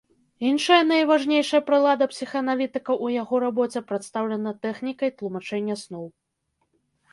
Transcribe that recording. Іншая найважнейшая прылада псіхааналітыка ў яго рабоце прадстаўлена тэхнікай тлумачэння сноў.